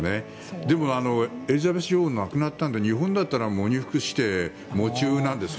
でもエリザベス女王が亡くなったので日本だったら喪に服して喪中なんですよ。